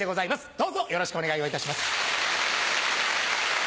どうぞよろしくお願いをいたします。